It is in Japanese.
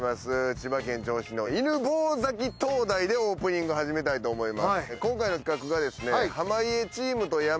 千葉県銚子市の犬吠埼灯台でオープニング始めたいと思います。